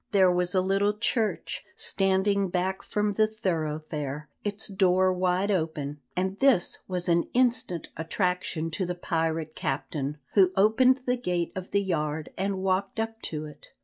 There was a little church, standing back from the thoroughfare, its door wide open, and this was an instant attraction to the pirate captain, who opened the gate of the yard and walked up to it.